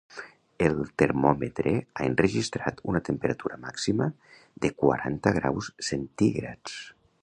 El termòmetre ha enregistrat una temperatura màxima de quaranta graus centígrads.